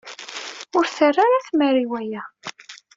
Ur terri ara tmara i waya.